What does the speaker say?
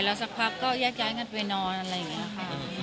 สักพักก็แยกย้ายกันไปนอนอะไรอย่างนี้ค่ะ